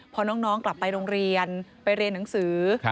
พอน้องกลับไปโรงเรียนไปเรียนหนังสือ